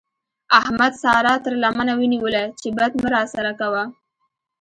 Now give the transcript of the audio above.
احمد سارا تر لمنه ونيوله چې بد مه راسره کوه.